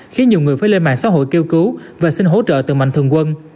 khiến nhiều người phải lên mạng xã hội kêu cứu và xin hỗ trợ từ mạnh thường quân